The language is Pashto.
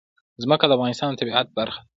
ځمکه د افغانستان د طبیعت برخه ده.